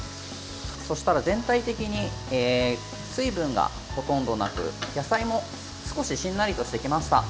そうしたら全体的に水分がほとんどなく野菜も少ししんなりとしてきました。